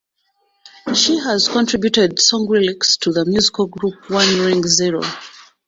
She has contributed song lyrics to the musical group One Ring Zero.